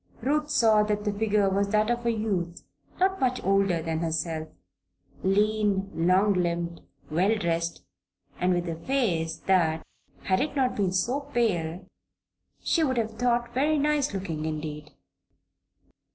Ruth saw that the figure was that of a youth not much older than herself lean, long limbed, well dressed, and with a face that, had it not been so pale, she would have thought very nice looking indeed.